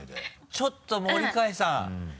ちょっと森開さん。